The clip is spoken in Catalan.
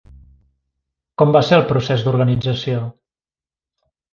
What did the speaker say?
Com va ser el procés d'organització?